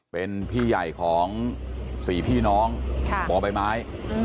เป็นพี่ใหญ่ของ๔พี่น้องบ่อใบไม้